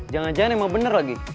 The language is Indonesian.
jangan jangan emang bener lagi